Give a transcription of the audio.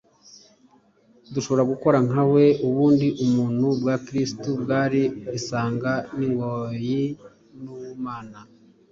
Dushobora gukora nka we. Ubundi-mutu bwa Kristo bwari isanga n'ingoyi n'ubumana;